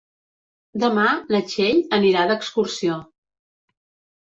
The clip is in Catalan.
Demà na Txell anirà d'excursió.